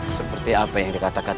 seperti apa yang dikatakan